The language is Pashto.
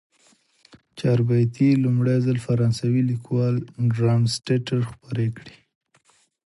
چاربیتې لومړی ځل فرانسوي لیکوال ډارمستتر خپرې کړې.